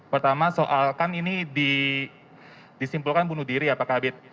pertama soalkan ini disimpulkan bunuh diri ya pak kabin